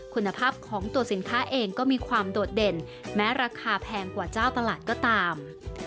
คุณภาพของตัวสินค้าเองก็มีความโดดเด่นแม้ราคาแพงกว่าเจ้าตลาดก็ตาม